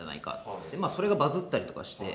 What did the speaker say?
それがバズったりとかして。